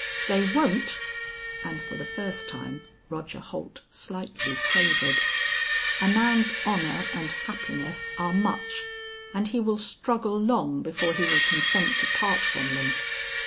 "They won't!" And for the first time Roger Holt slightly quavered. "A man's honor and happiness are much, and he will struggle long before he will consent to part from them.